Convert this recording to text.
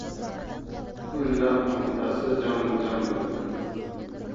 O‘nlar qo‘mitasi jamuljam bo‘ldi.